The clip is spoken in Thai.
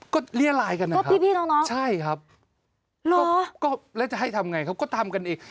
ก็เรียรายกันนะครับใช่ครับแล้วจะให้ทำอย่างไรครับก็ทำกันเอง